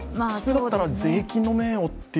だったら税金の面をっていう。